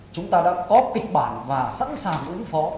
chúng ta đã có kịch bản và sẵn sàng ứng phó